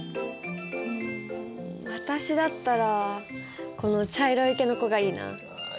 うん私だったらこの茶色い毛の子がいいなあ。